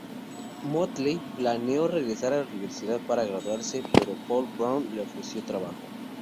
Motley planeó regresar a la universidad para graduarse, pero Paul Brown le ofreció trabajo.